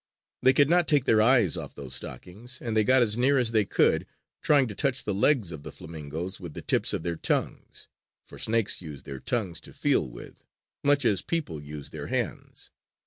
They could not take their eyes off those stockings, and they got as near as they could, trying to touch the legs of the flamingoes with the tips of their tongues for snakes use their tongues to feel with, much as people use their hands.